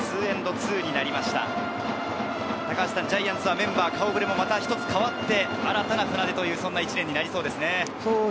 ジャイアンツはメンバー、顔触れも一つ変わって新たな船出という１年になりそうですね。